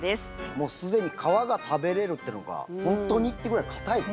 もうすでに皮が食べれるってのがホントに？ってぐらい硬いです。